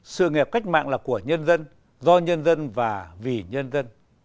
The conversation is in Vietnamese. sự nghiệp cách mạng là của nhân dân do nhân dân và vì nhân dân